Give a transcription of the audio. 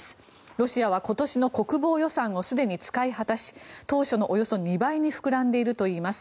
ロシアは今年の国防予算をすでに使い果たし当初のおよそ２倍に膨らんでいるといいます。